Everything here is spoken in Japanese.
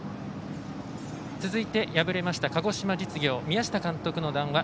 続いて、敗れました鹿児島実業宮下監督の談話